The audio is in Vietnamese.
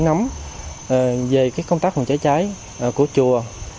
bà con vượt tử nắm về công tác cháy cháy của chùa